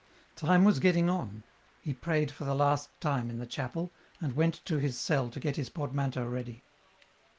Time was getting on ; he prayed for the last time in the chapel, and went to his cell to get his portmanteau ready.